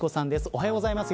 おはようございます。